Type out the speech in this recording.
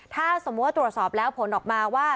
ถ้าสมมุติว่าตรวจสอบแล้วผลออกมาว่า